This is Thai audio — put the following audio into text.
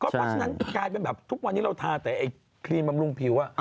เพราะฉะนั้นกลายเป็นแบบทุกวันนี้เราทาแต่ไอ้ครีมบำรุงผิว